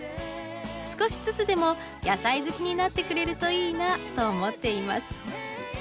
少しずつでも野菜好きになってくれるといいなと思っています。